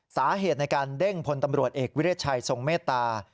สาเหตุในการเด้งพลตำรวจเอกวิรัชชัยทรงเมตตา